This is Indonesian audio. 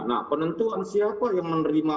nah penentuan siapa yang menerima